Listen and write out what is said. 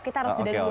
kita harus jeda dulu